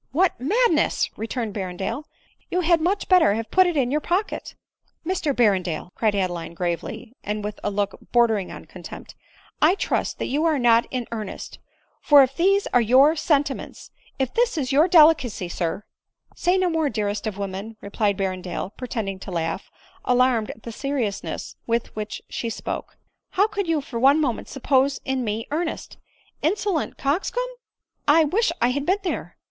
" What madness !" returned Berrendale ;" you had much better have put it in your pocket." " Mr Berrendale," cried Adeline gravely, and with a look bordering on contempt, " I trust that you are not in earnest ; for if these are your sentiments — if this is your delicacy, sir —"" Say no more, dearest of women," replied Berren . dale pretending to laugh, alarmed at the seriousness with which she spoke ;" how could you for one moment sup pose me in earnest ? Insolent coxcomb !— I wish I had been there."